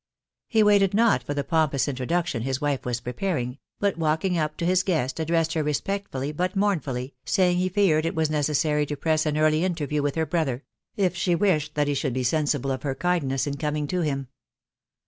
He waked not for the pompons introduction bis wife was preparing,, but walking up to bis guest addressed her respectfully but mournfully, saying he feared it was neeesnary to press an early interview with her brother, 'tf she wished that he should be sensible of her kindness in coming; to him.